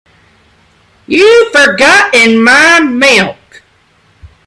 You've forgotten my milk.